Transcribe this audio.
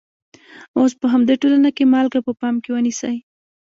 اوس په همدې ټولنه کې مالګه په پام کې ونیسئ.